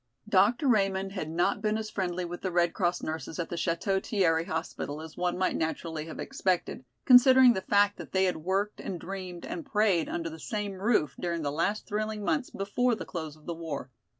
Dr. Raymond had not been as friendly with the Red Cross nurses at the Château Thierry hospital as one might naturally have expected, considering the fact that they had worked and dreamed and prayed under the same roof during the last thrilling months before the close of the war.